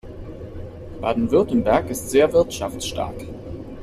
Baden-Württemberg ist sehr wirtschaftsstark.